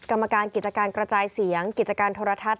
กรรมการกิจการกระจายเสียงกิจการโทรทัศน